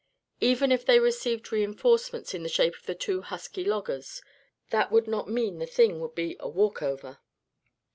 Even if they received reinforcements in the shape of the two husky loggers, that would not mean the thing would be a walk over.